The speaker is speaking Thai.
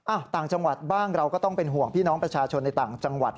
ต่างจังหวัดบ้างเราก็ต้องเป็นห่วงพี่น้องประชาชนในต่างจังหวัด